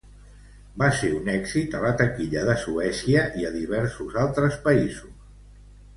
Va ser un èxit a la taquilla de Suècia i a diversos altres països.